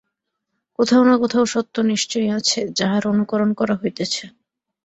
কোথাও না কোথাও সত্য নিশ্চয়ই আছে, যাহার অনুকরণ করা হইতেছে।